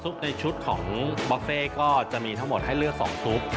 ในชุดของบอฟเฟ่ก็จะมีทั้งหมดให้เลือก๒ซุป